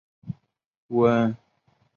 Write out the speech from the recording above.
温卤面是一种中国朝鲜族面食。